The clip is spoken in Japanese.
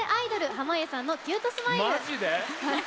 濱家さんのキュートスマイル！